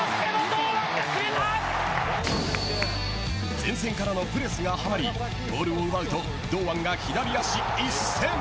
前線からのプレスがはまりボールを奪うと堂安が左足一閃。